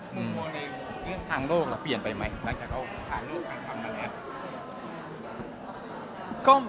อเจมส์มึงมองในทางโลกมันเปลี่ยนไปมั้ยหลังจากการอาจารย์ต่างจำกันครับ